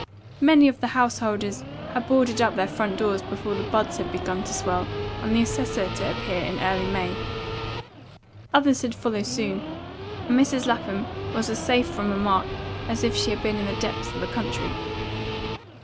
Many of the householders had boarded up their front doors before the buds had begun to swell and the assessor to appear in early May; others had followed soon; and Mrs. Lapham was as safe from remark as if she had been in the depth of the country.